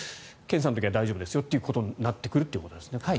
検査の時は大丈夫ですよとなってくるということですね。